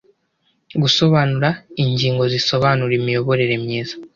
Gusobanura ingingo zisobanura imiyoborere myiza.